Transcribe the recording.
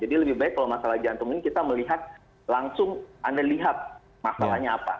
jadi lebih baik kalau masalah jantung ini kita melihat langsung anda lihat masalahnya apa